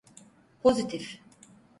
Pozitif.